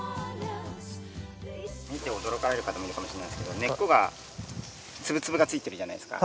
見て驚かれる方もいるかもしれないんですけど根っこがつぶつぶがついてるじゃないですか。